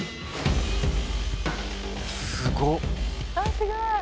すごい。